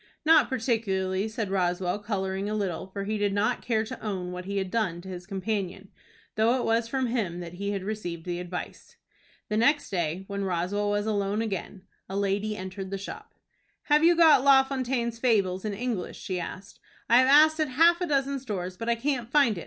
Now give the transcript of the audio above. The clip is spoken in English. "Not particularly," said Roswell, coloring a little, for he did not care to own what he had done to his companion, though it was from him that he had received the advice. The next day when Roswell was again alone, a lady entered the shop. "Have you got La Fontaine's Fables in English?" she asked. "I have asked at half a dozen stores, but I can't find it.